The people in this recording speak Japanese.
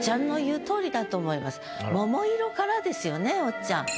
「桃色」からですよねおっちゃん。